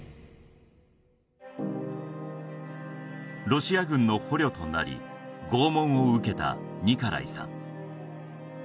ロシア軍の捕虜となり拷問を受けたニカライさん